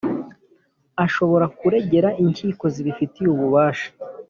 ashobora kuregera inkiko zibifitiye ububasha.